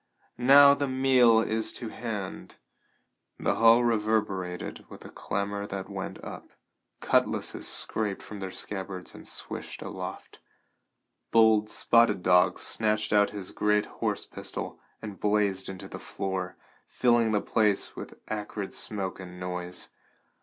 Now the meal is to hand." The hall reverberated with the clamor that went up. Cutlases scraped from their scabbards and swished aloft; bold Spotted Dog snatched out his great horse pistol and blazed into the floor, filling the place with acrid smoke and noise.